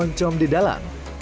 oncom di dalam